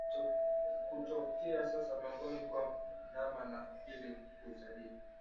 Hutokea hasa miongoni mwa ndama wa pili kuzaliwa